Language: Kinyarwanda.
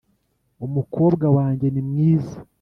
umukobwa wanjye ni mwiza